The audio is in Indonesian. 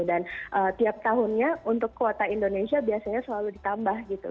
dan tiap tahunnya untuk kuota indonesia biasanya selalu ditambah gitu